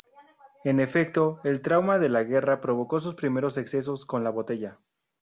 En efecto, el trauma de la guerra provocó sus primeros excesos con la botella.